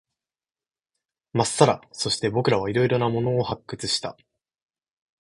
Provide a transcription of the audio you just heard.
まっさら。そして、僕らは色々なものを発掘した。